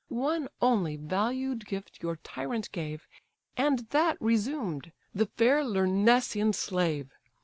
One only valued gift your tyrant gave, And that resumed—the fair Lyrnessian slave.